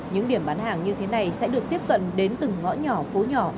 những điểm bán hàng như thế này sẽ được tiếp cận đến từng ngõ nhỏ phố nhỏ